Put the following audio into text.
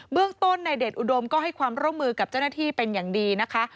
เรื่องต้นในเดชอุดมก็ให้ความร่วมมือกับเจ้าหน้าที่เป็นอย่างดีนะคะ